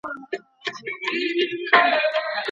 ښې پایلي یوازي د پوه سړي په واسطه نه سي اټکل کېدلای.